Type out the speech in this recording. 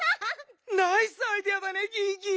ナイスアイデアだねギギ！